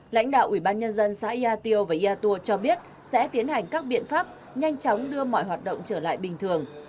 lãnh đạo ubnd xã yatio và yatua cho biết sẽ tiến hành các biện pháp nhanh chóng đưa mọi hoạt động trở lại bình thường